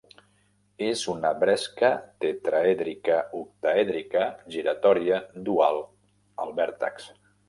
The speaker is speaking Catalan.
És una bresca tetraèdrica-octaèdrica giratòria dual al vèrtex.